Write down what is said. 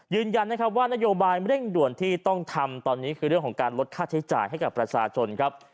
ยืนยันนะครับว่านโยบายเร่งด่วนที่ต้องทำตอนนี้คือเรื่องของการลดค่าใช้จ่ายให้กับประชาชนครับ